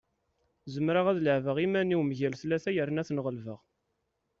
Zemreɣ ad leɛbeɣ iman-iw mgal tlata yerna ad ten-ɣelbeɣ.